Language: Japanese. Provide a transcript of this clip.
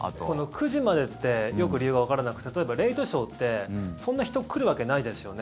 ９時までってよく理由がわからなくて例えば、レイトショーってそんな人、来るわけないですよね。